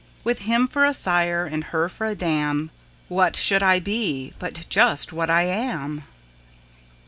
With him for a sire and her for a dam, What should I be but just what I am?